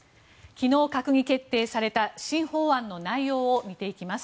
昨日閣議決定された新法案の内容を見ていきます。